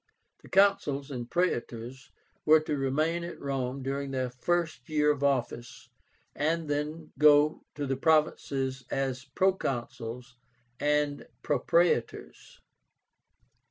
The Consuls and Praetors were to remain at Rome during their first year of office, and then go to the provinces as Proconsuls and Propraetors.